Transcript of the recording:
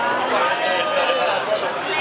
masih luar biasa